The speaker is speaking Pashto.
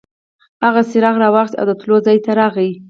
هغه څراغ راواخیست او د وتلو ځای ته راغی.